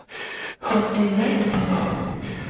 batera imbere